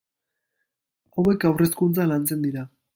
Hauek haur hezkuntzan lantzen dira.